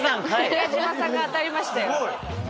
中島さんが当たりましたよ。